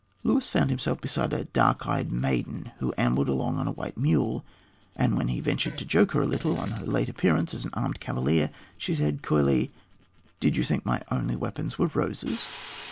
Luis found himself beside a dark eyed maiden, who ambled along on a white mule, and when he ventured to joke her a little on her late appearance as an armed cavalier, she said coyly, "Did you think my only weapons were roses?"